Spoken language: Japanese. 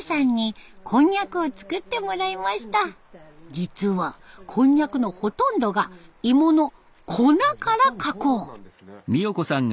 実はこんにゃくのほとんどが芋の「粉」から加工。